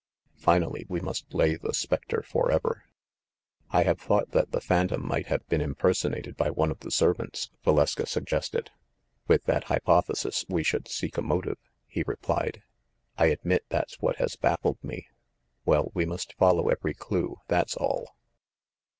Finally, we must lay the specter forever." "I have thought that the phantom might have been impersonated by one of the servants," Valeska sug gested. "With that hypothesis we should seek a motive," he replied. "I admit that's what has baffled me." "Well, we must follow every clue, that's all."